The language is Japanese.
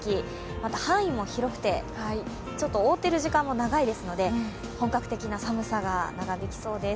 また、範囲も広くて、覆っている時間も長いですので本格的な寒さが長引きそうです。